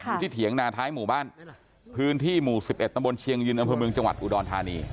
อยู่ที่เถียงหน้าท้ายหมู่บ้านพื้นที่หมู่๑๑ตเชียงยืนอเมืองจอุดรธานี